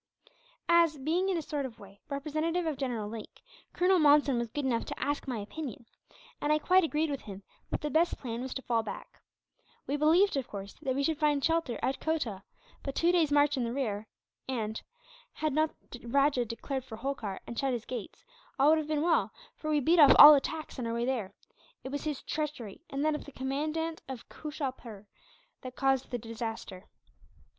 "As being, in a sort of way, representative of General Lake, Colonel Monson was good enough to ask my opinion; and I quite agreed with him that the best plan was to fall back. We believed, of course, that we should find shelter at Kotah, but two days' march in the rear and, had not the rajah declared for Holkar, and shut his gates, all would have been well; for we beat off all attacks, on our way there. It was his treachery, and that of the commandant of Kooshalpur, that caused the disaster."